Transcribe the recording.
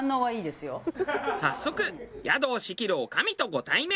早速宿を仕切る女将とご対面。